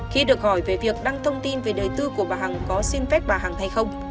khi được hỏi về việc đăng thông tin về đời tư của bà hằng có xin phép bà hằng hay không